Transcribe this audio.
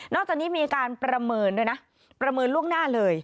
อกจากนี้มีการประเมินด้วยนะประเมินล่วงหน้าเลย